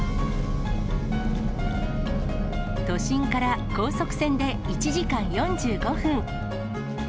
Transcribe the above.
都心から高速船で１時間４５分。